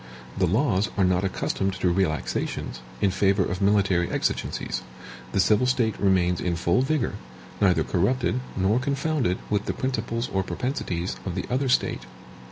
The laws are not accustomed to relaxations, in favor of military exigencies; the civil state remains in full vigor, neither corrupted, nor confounded with the principles or propensities of the other state.